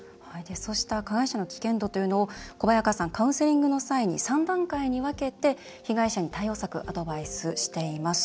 そうした加害者の危険度というのを小早川さんカウンセリングの際に３段階に分けて被害者に対応策アドバイスしています。